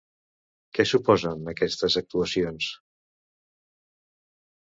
Què suposen aquestes actuacions?